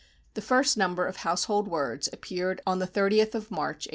The first number of Household Words appeared on the 30th of March, 1850.